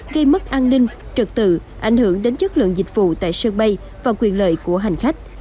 gây mất an ninh trực tự ảnh hưởng đến chất lượng dịch vụ tại sân bay và quyền lợi của hành khách